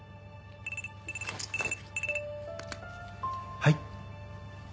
はい。